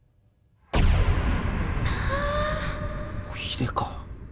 おひでか。